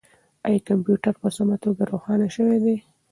آیا کمپیوټر په سمه توګه روښانه شوی دی؟